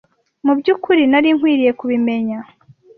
Mu byukuri nari nkwiye kubimenya.